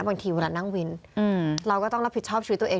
บางทีเวลานั่งวิน